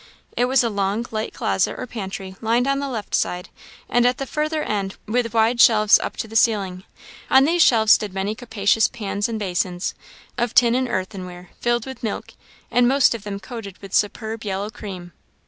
It was a long light closet or pantry, lined on the left side, and at the further end, with wide shelves up to the ceiling. On these shelves stood many capacious pans and basins, of tin and earthenware, filled with milk, and most of them coated with superb yellow cream.